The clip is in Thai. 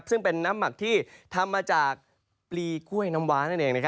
ซึ่งเป็นน้ำหมักที่ทำมาจากปลีกล้วยน้ำว้านั่นเอง